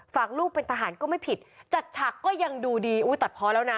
ลูกเป็นทหารก็ไม่ผิดจัดฉากก็ยังดูดีอุ้ยตัดพอแล้วนะ